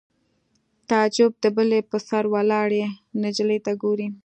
تعجب د بلۍ په سر ولاړې نجلۍ ته ګوري